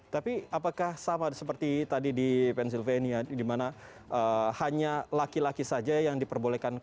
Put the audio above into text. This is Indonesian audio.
tapi apakah sama seperti tadi di pennsylvania di mana hanya laki laki saja yang diperbolehkan